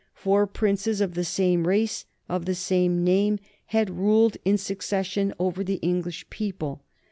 Four princes of the same race, of the same name, had ruled in succession over the English people.